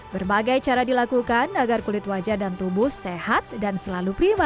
berbagai cara dilakukan agar kulit wajah dan tubuh sehat dan selalu prima